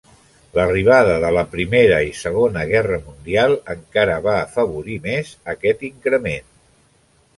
L'arribada de la Primera i Segona Guerra Mundial encara va afavorir més aquest increment.